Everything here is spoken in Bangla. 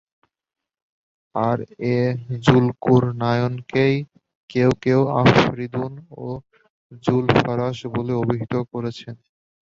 আর এ যুলকুরনায়নকেই কেউ কেউ আফরীদুন ও যুল ফারাস বলে অভিহিত করেছেন।